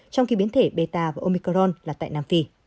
trong khi biến thể belar và omicron là tại nam phi